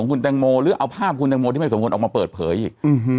คุณแตงโมหรือเอาภาพคุณแตงโมที่ไม่สมควรออกมาเปิดเผยอีก